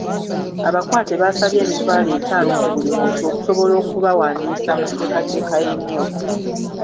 Abakwate basabye emitwalo etaano ku buli muntu okusobola okubawandiisa mu nteekateeka y'Emyooga.